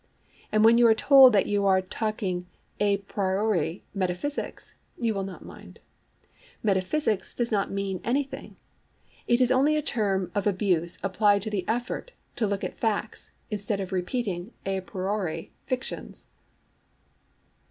And when you are told that you are talking a priori metaphysics, you will not mind. 'Metaphysics' does not mean anything. It is only a term of abuse applied to the effort to look at facts instead of repeating a priori fictions.